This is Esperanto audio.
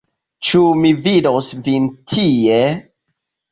Ĉu mi vidos vin tie?